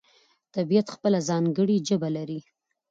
طبیعت خپله ځانګړې ژبه لري.